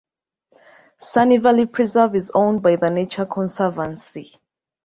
Sunny Valley Preserve is owned by The Nature Conservancy.